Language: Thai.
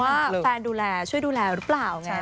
ว่าแฟนดูแลช่วยดูแลหรือเปล่าไง